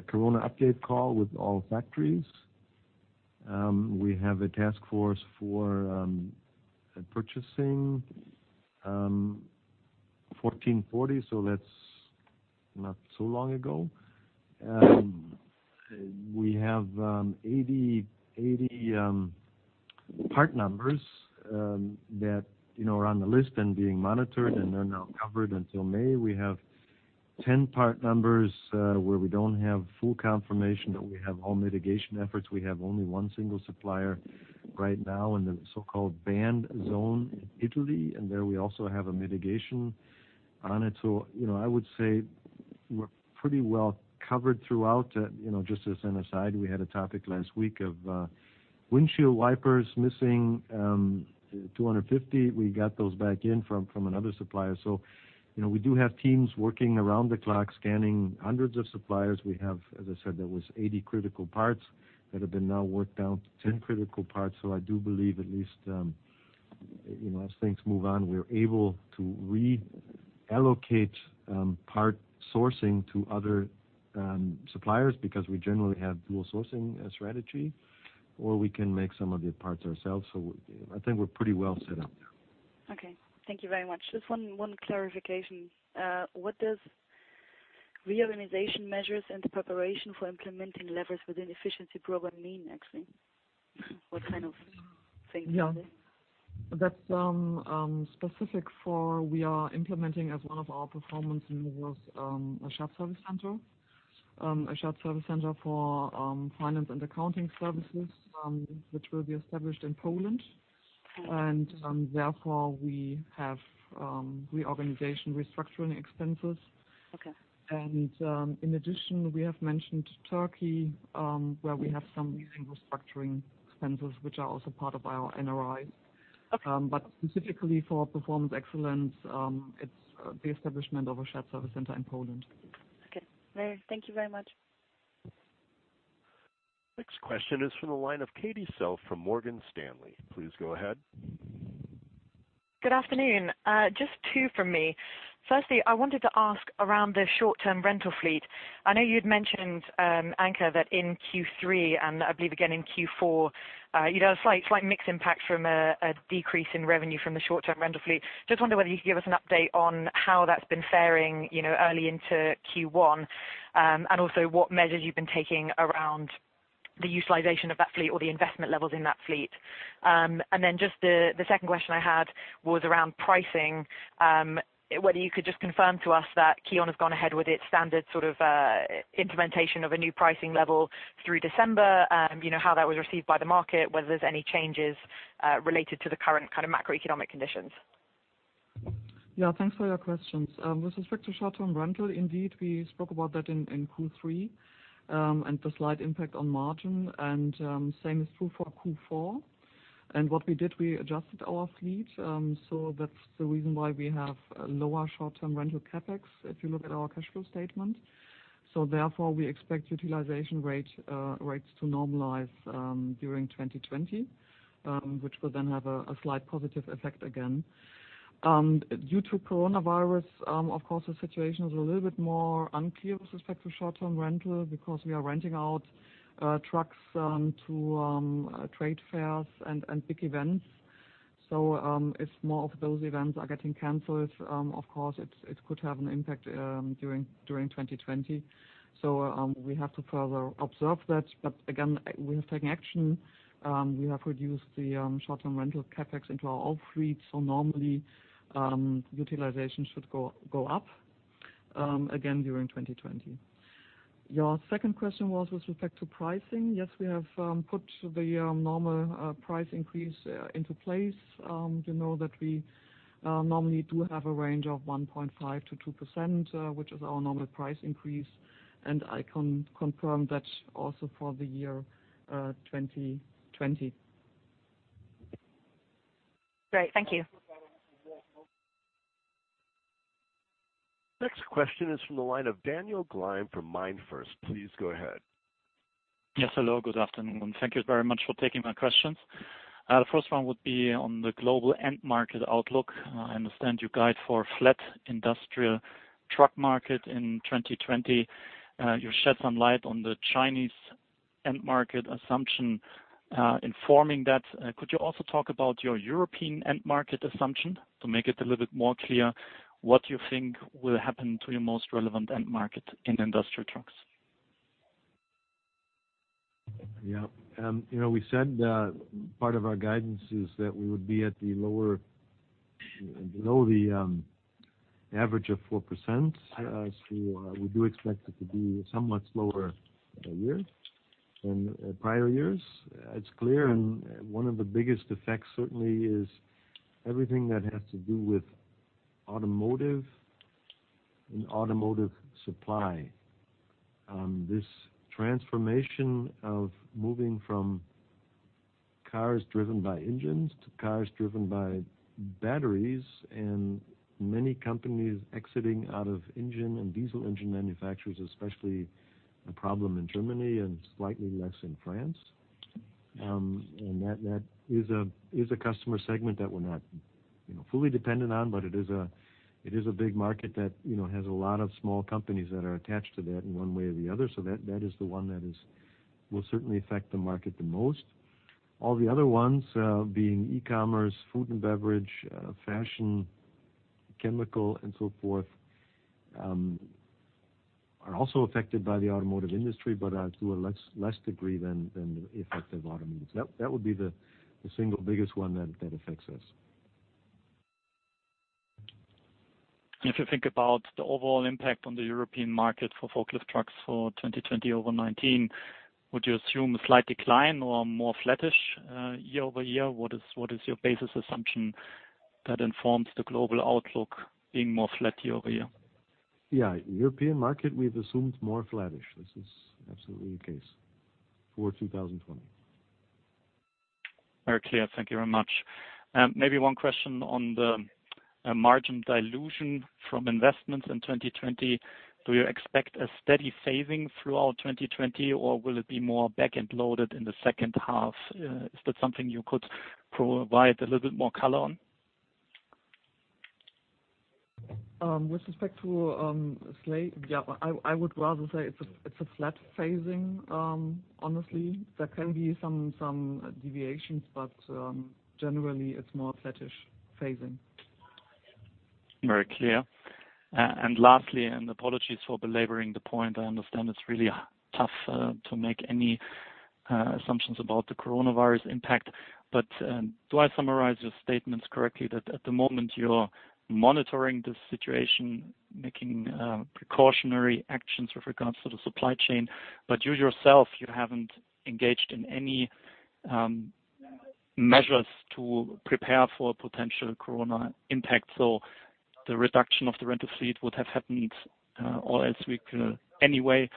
corona update call with all factories. We have a task force for purchasing 14:40, so that's not so long ago. We have 80 part numbers that are on the list and being monitored and are now covered until May. We have 10 part numbers where we do not have full confirmation, but we have all mitigation efforts. We have only one single supplier right now in the so-called banned zone in Italy, and there we also have a mitigation on it. I would say we are pretty well covered throughout. Just as an aside, we had a topic last week of windshield wipers missing 250. We got those back in from another supplier. We do have teams working around the clock scanning hundreds of suppliers. We have, as I said, there was 80 critical parts that have been now worked down to 10 critical parts. I do believe at least as things move on, we're able to reallocate part sourcing to other suppliers because we generally have dual sourcing strategy, or we can make some of the parts ourselves. I think we're pretty well set up there. Okay. Thank you very much. Just one clarification. What does reorganization measures and preparation for implementing levers within efficiency program mean, actually? What kind of things are they? Yeah. That's specific for we are implementing as one of our performance movers, a shop service center. A shop service center for finance and accounting services, which will be established in Poland. Therefore, we have reorganization restructuring expenses. In addition, we have mentioned Turkey, where we have some meeting restructuring expenses, which are also part of our NRIs. Specifically for performance excellence, it is the establishment of a shop service center in Poland. Okay. Thank you very much. Next question is from the line of Katie Self from Morgan Stanley. Please go ahead. Good afternoon. Just two from me. Firstly, I wanted to ask around the short-term rental fleet. I know you'd mentioned, Anke, that in Q3 and I believe again in Q4, you'd have a slight mixed impact from a decrease in revenue from the short-term rental fleet. Just wondered whether you could give us an update on how that's been faring early into Q1, and also what measures you've been taking around the utilization of that fleet or the investment levels in that fleet. The second question I had was around pricing, whether you could just confirm to us that KION has gone ahead with its standard sort of implementation of a new pricing level through December, how that was received by the market, whether there's any changes related to the current kind of macroeconomic conditions. Yeah. Thanks for your questions. With respect to short-term rental indeed, we spoke about that in Q3 and the slight impact on margin. The same is true for Q4. What we did, we adjusted our fleet. That's the reason why we have lower short-term rental CapEx if you look at our cash flow statement. Therefore, we expect utilization rates to normalize during 2020, which will then have a slight positive effect again. Due to coronavirus, of course, the situation is a little bit more unclear with respect to short-term rental because we are renting out trucks to trade fairs and big events. If more of those events are getting canceled, of course, it could have an impact during 2020. We have to further observe that. Again, we have taken action. We have reduced the short-term rental CapEx into our old fleet. Normally, utilization should go up again during 2020. Your second question was with respect to pricing. Yes, we have put the normal price increase into place. You know that we normally do have a range of 1.5%-2%, which is our normal price increase. I can confirm that also for the year 2020. Great. Thank you. Next question is from the line of Daniel Gleim from MainFirst. Please go ahead. Yes. Hello. Good afternoon. Thank you very much for taking my questions. The first one would be on the global end market outlook. I understand you guide for flat industrial truck market in 2020. You shed some light on the Chinese end market assumption informing that. Could you also talk about your European end market assumption to make it a little bit more clear what you think will happen to your most relevant end market in industrial trucks? Yeah. We said part of our guidance is that we would be at the lower below the average of 4%. We do expect it to be somewhat slower than prior years. It's clear. One of the biggest effects certainly is everything that has to do with automotive and automotive supply. This transformation of moving from cars driven by engines to cars driven by batteries and many companies exiting out of engine and diesel engine manufacturers, especially a problem in Germany and slightly less in France. That is a customer segment that we're not fully dependent on, but it is a big market that has a lot of small companies that are attached to that in one way or the other. That is the one that will certainly affect the market the most. All the other ones, being e-commerce, food and beverage, fashion, chemical, and so forth, are also affected by the automotive industry, but to a less degree than the effect of automotive. That would be the single biggest one that affects us. If you think about the overall impact on the European market for forklift trucks for 2020 over 2019, would you assume a slight decline or more flattish year over year? What is your basis assumption that informs the global outlook being more flat year over year? Yeah. European market, we've assumed more flattish. This is absolutely the case for 2020. Very clear. Thank you very much. Maybe one question on the margin dilution from investments in 2020. Do you expect a steady phasing throughout 2020, or will it be more back-end loaded in the second half? Is that something you could provide a little bit more color on? With respect to, yeah, I would rather say it's a flat phasing, honestly. There can be some deviations, but generally, it's more flattish phasing. Very clear. Lastly, and apologies for belaboring the point, I understand it's really tough to make any assumptions about the coronavirus impact. Do I summarize your statements correctly that at the moment you're monitoring this situation, making precautionary actions with regards to the supply chain, but you yourself, you haven't engaged in any measures to prepare for potential corona impact, so the reduction of the rental fleet would have happened all elsewhere anyway.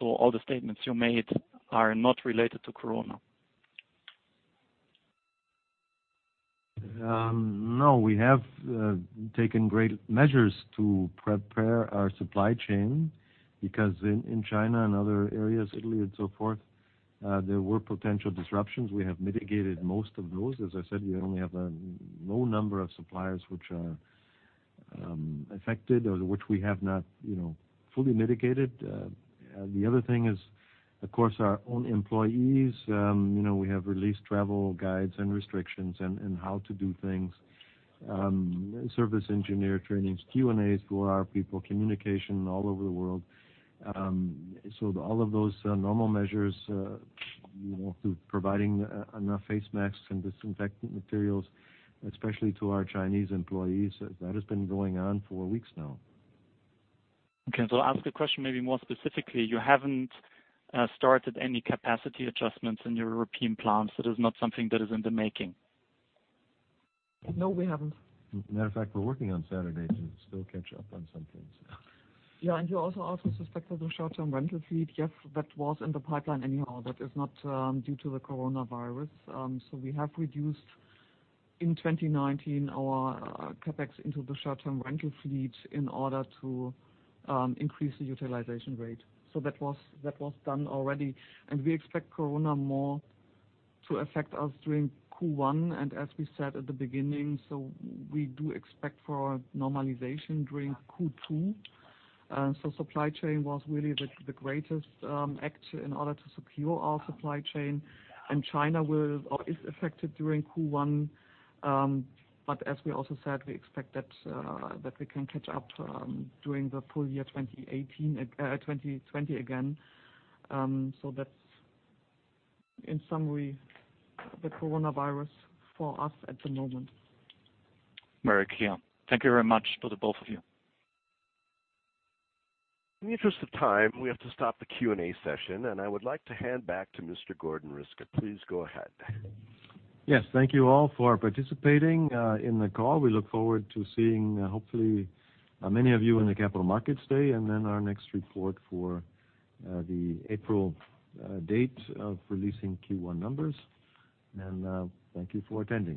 All the statements you made are not related to corona? No. We have taken great measures to prepare our supply chain because in China and other areas, Italy, and so forth, there were potential disruptions. We have mitigated most of those. As I said, we only have a low number of suppliers which are affected or which we have not fully mitigated. The other thing is, of course, our own employees. We have released travel guides and restrictions and how to do things, service engineer trainings, Q&As for our people, communication all over the world. All of those normal measures through providing enough face masks and disinfectant materials, especially to our Chinese employees, that has been going on for weeks now. Okay. I'll ask the question maybe more specifically. You haven't started any capacity adjustments in your European plants. That is not something that is in the making. No, we haven't. As a matter of fact, we're working on Saturday to still catch up on some things. Yeah. You also asked with respect to the short-term rental fleet. Yes, that was in the pipeline anyhow. That is not due to the coronavirus. We have reduced in 2019 our CapEx into the short-term rental fleet in order to increase the utilization rate. That was done already. We expect corona more to affect us during Q1. As we said at the beginning, we do expect for normalization during Q2. Supply chain was really the greatest act in order to secure our supply chain. China will or is affected during Q1. As we also said, we expect that we can catch up during the full year 2020 again. That is, in summary, the coronavirus for us at the moment. Very clear. Thank you very much to the both of you. In the interest of time, we have to stop the Q&A session, and I would like to hand back to Mr. Gordon Riske. Please go ahead. Yes. Thank you all for participating in the call. We look forward to seeing, hopefully, many of you in the capital markets today and then our next report for the April date of releasing Q1 numbers. Thank you for attending.